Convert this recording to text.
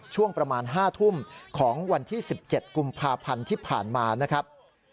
ช่วงประมาณ๕ทุ่มของวันที่๑๗กุมภาพันธ์ที่ผ่านมานะครับ